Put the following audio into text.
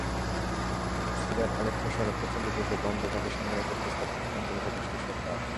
সিরিয়ার আলেপ্পো শহরে প্রচণ্ড যুদ্ধ বন্ধে জাতিসংঘের একটি প্রস্তাব প্রত্যাখ্যান করেছে দেশটির সরকার।